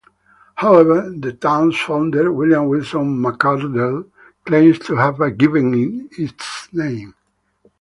However, the town's founder, William Wilson McCardle, claims to have given it its name.